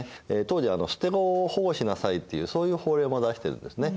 当時は捨て子を保護しなさいっていうそういう法令も出してるんですね。